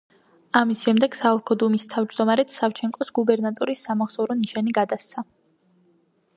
ამის შემდეგ, საოლქო დუმის თავმჯდომარედ სავჩენკოს გუბერნატორის სამახსოვრო ნიშანი გადასცა.